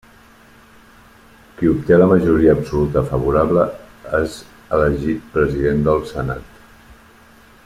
Qui obté la majoria absoluta favorable és elegit president del Senat.